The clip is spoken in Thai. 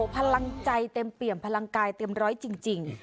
พลังใจเต็มเปี่ยมพลังกายเต็มร้อยจริง